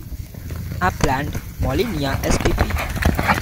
Upland "Molinia" spp.